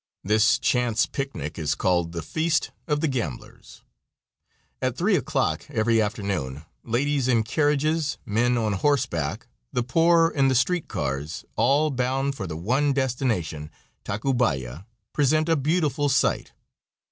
This chance picnic is called "the feast of the gamblers." At three o'clock every afternoon ladies in carriages, men on horseback, the poor in the street cars, all bound for the one destination Tacubaya present a beautiful sight.